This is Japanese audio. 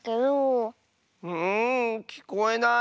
んきこえない。